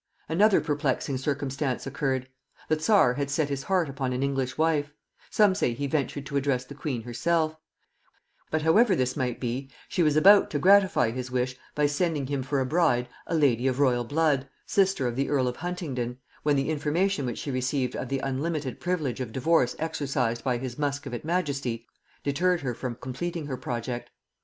Another perplexing circumstance occurred. The Czar had set his heart upon an English wife; some say he ventured to address the queen herself; but however this might be, she was about to gratify his wish by sending him for a bride a lady of royal blood, sister of the earl of Huntingdon, when the information which she received of the unlimited privilege of divorce exercised by his Muscovite majesty, deterred her from completing her project.